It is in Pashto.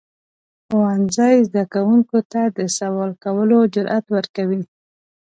ښوونځی زده کوونکو ته د سوال کولو جرئت ورکوي.